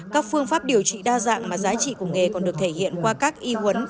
các phương pháp điều trị đa dạng mà giá trị của nghề còn được thể hiện qua các y huấn